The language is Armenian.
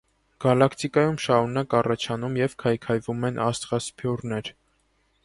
Գալակտիկայում շարունակ առաջանում և քայքայվում են աստղասփյուռներ։